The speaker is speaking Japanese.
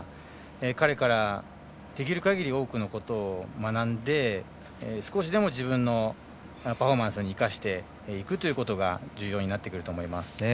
彼からできるかぎりの多くのことを学んで、少しでも自分のパフォーマンスに生かしていくということが重要になってくると思います。